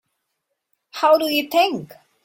How do you think?